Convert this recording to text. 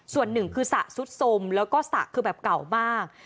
ส่วนหนึ่งคือสระสุดสมแล้วก็สระคือแบบเก่ามาก